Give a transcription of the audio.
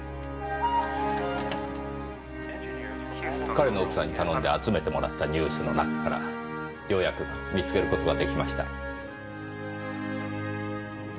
彼の奥さんに頼んで集めてもらったニュースの中からようやく見つける事ができました。